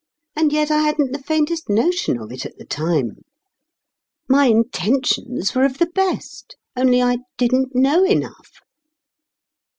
And yet I hadn't the faintest notion of it at the time. My intentions were of the best. Only I didn't know enough."